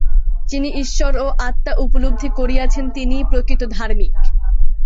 যিনি ঈশ্বর ও আত্মা উপলব্ধি করিয়াছেন, তিনিই প্রকৃত ধার্মিক।